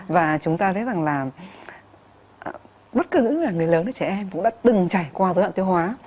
và chúng ta thấy rằng là bất cứ người lớn hay trẻ em cũng đã từng chảy qua dối loạn tiêu hóa